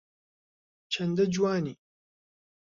چەندە جوانی